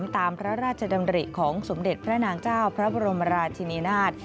ตามพระราชดำริของสมเด็จพระนางเจ้าพระบรมราชินีนาฏ